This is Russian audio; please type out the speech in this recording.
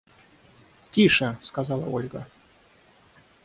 – Тише! – сказала Ольга.